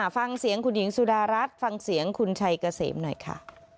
ฟังเสียงคุณหญิงสุดารัฐฟังเสียงคุณชัยเกษมหน่อยค่ะ